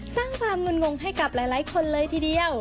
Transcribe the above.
สร้างความงุ่นงงให้กับหลายคนเลยทีเดียว